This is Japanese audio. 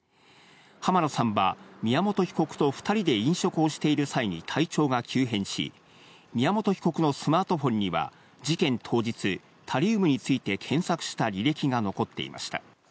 浜野さんは宮本被告と２人で飲食をしている際に体調が急変し、宮本被告のスマートフォンには事件当日、タリウムについて検索した履歴が残っていました。